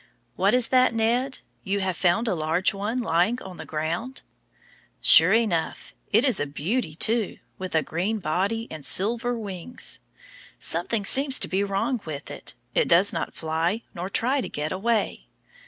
What is that, Ned? You have found a large one lying on the ground? Sure enough; it is a beauty too, with a green body and silver wings. Something seems to be wrong with it; it does not fly nor try to get away.